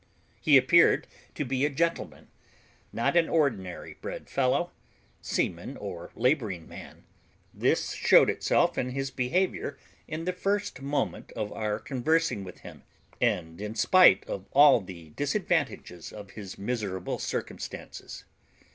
He appeared to be a gentleman, not an ordinary bred fellow, seaman, or labouring man; this showed itself in his behaviour in the first moment of our conversing with him, and in spite of all the disadvantages of his miserable circumstances.